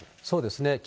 そうですね。